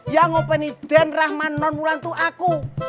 yang ngopeni den rahman non mulantu aku